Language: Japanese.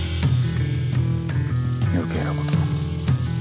余計なことを。